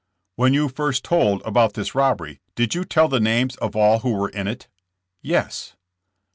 "When you first told about this robbery, did you tell the names of all who were in it?" "Yes."